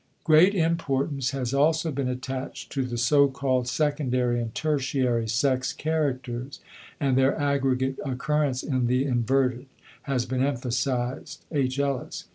Great importance has also been attached to the so called secondary and tertiary sex characters and their aggregate occurrence in the inverted has been emphasized (H. Ellis).